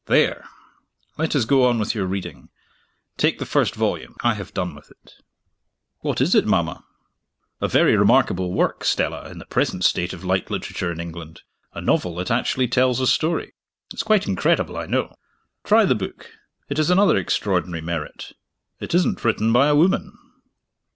There! let us go on with your reading. Take the first volume I have done with it." "What is it, mama?" "A very remarkable work, Stella, in the present state of light literature in England a novel that actually tells a story. It's quite incredible, I know. Try the book. It has another extraordinary merit it isn't written by a woman."